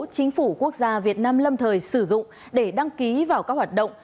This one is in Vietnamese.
chính phủ quốc gia việt nam lâm thời sử dụng để đăng ký vào các hoạt động